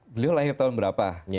beliau lahir tahun berapa